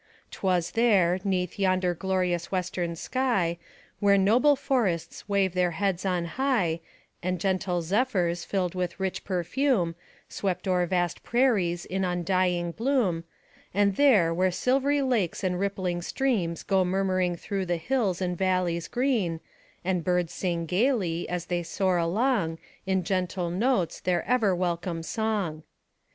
'T was there, 'neath yonder glorious westernsky, Where noble forests wave their heads on high, And gentle zephyrs, filled with rich perfume, Swept o'er vast prairies in undying bloom; And there where silvery lakes and rippling streams Go murmuring through the hills and valleys green, And birds sing gayly, as they soar along, In gentle notes, their ever welcome song.